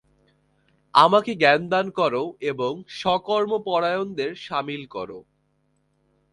আমাকে জ্ঞান দান কর এবং সকর্মপরায়ণদের শামিল কর।